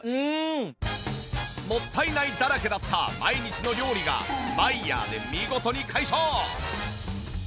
もったいないだらけだった毎日の料理がマイヤーで見事に解消！